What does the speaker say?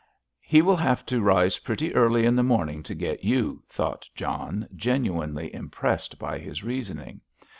"He will have to rise pretty early in the morning to get you," thought John, genuinely impressed by his reasoning.